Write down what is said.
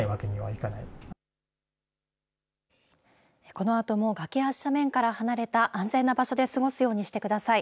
このあとも崖や斜面から離れた安全な場所で過ごすようにしてください。